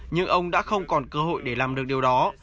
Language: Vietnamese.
nhưng ông đã không còn cơ hội để làm được điều đó